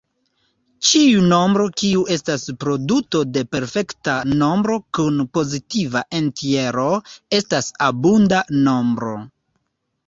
Ĉiu nombro kiu estas produto de perfekta nombro kun pozitiva entjero estas abunda nombro.